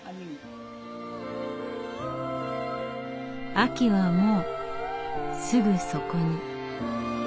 秋はもうすぐそこに。